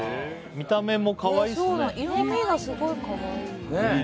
見た目もかわいいっすね